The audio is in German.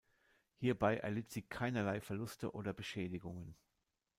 Hierbei erlitt sie keinerlei Verluste oder Beschädigungen.